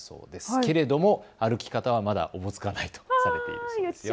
けれども歩き方はまだおぼつかないと書かれていました。